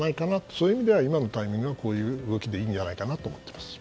そういう意味では今のタイミングではこういう動きでいいんじゃないかなと思います。